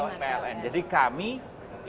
dibuat oleh pemerintah dengan pln